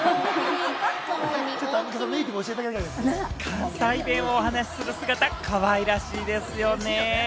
関西弁をお話する姿、かわいらしいですよね。